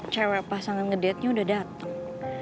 cewek pasangan ngedatenya udah dateng